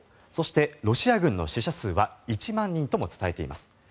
そして、ロシア軍の死者数は１万人とも伝えています。